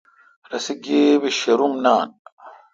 رسے گیبہ شروم نان۔